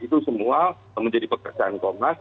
itu semua menjadi pekerjaan komnas